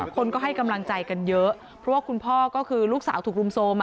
คนก็ให้กำลังใจกันเยอะเพราะว่าคุณพ่อก็คือลูกสาวถูกรุมโทรม